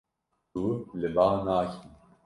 Tu li ba nakî.